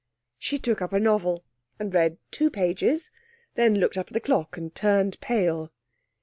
She took up a novel and read two pages, then looked up at the clock and turned pale.